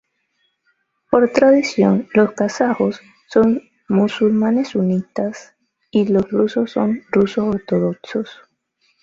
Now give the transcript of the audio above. Por tradición, los kazajos son musulmanes sunitas, y los rusos son rusos ortodoxos.